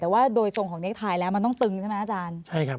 แต่ว่าโดยทรงของเน็กไทยแล้วมันต้องตึงใช่ไหมอาจารย์ใช่ครับ